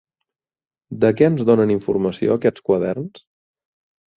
De què ens donen informació aquests quaderns?